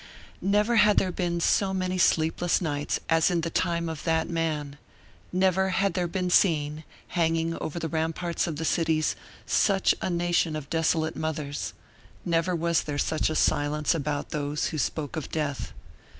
Never had there been so many sleepless nights as in the time of that man; never had there been seen, hanging over the ramparts of the cities, such a nation of desolate mothers; never was there such a silence about those who spoke of death.